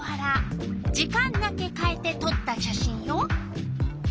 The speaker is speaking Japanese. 時間だけかえてとった写真よ。